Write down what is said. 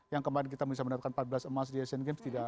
yang kemarin kita bisa mendapatkan empat belas emas di asian games